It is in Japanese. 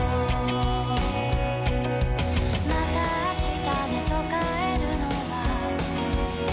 「また明日ねと帰るのは」